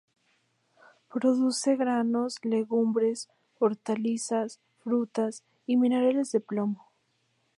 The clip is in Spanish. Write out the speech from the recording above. Produce granos, legumbres, hortalizas, frutas y minerales de plomo.